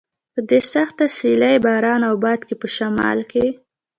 په دې سخته سیلۍ، باران او باد کې په شمال کې.